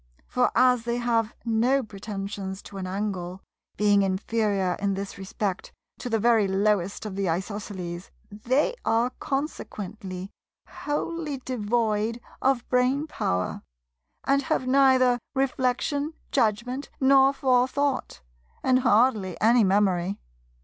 For as they have no pretensions to an angle, being inferior in this respect to the very lowest of the Isosceles, they are consequently wholly devoid of brainpower, and have neither reflection, judgment nor forethought, and hardly any memory.